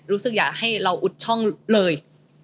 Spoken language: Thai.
รู้สึกอยากให้เราอุดช่องเลย